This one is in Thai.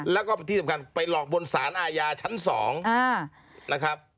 แล้วก็ที่สำคัญไปหลอกบนสารอาญาชั้น๒นะครับ